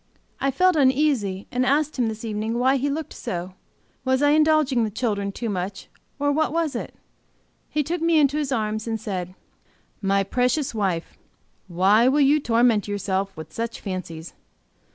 I felt uneasy and asked him, this evening, why he looked so. Was I indulging the children too much, or what was it? He took me into his arms and said: "My precious wife, why will you torment yourself with such fancies?